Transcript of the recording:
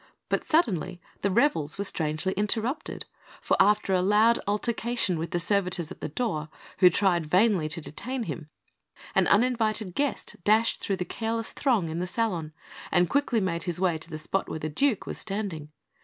But suddenly the revels were strangely interrupted, for after a loud altercation with the servitors at the door, who vainly tried to detain him, an uninvited guest dashed through the careless throng in the salon, and quickly made his way to the spot where the Duke was standing.